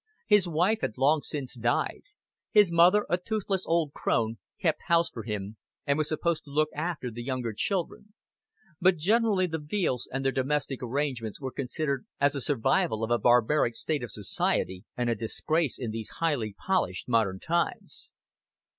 His wife had long since died; her mother, a toothless old crone, kept house for him and was supposed to look after the younger children; but generally the Veales and their domestic arrangements were considered as a survival of a barbaric state of society and a disgrace in these highly polished modern times.